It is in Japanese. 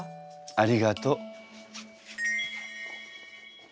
ありがとう。